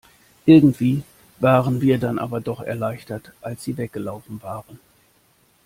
Irgendwie waren wir dann aber doch erleichtert, als sie weggelaufen waren.